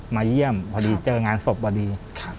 มาเยี่ยมพอดีเจองานศพพอดี